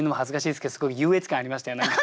すごい優越感ありましたよ。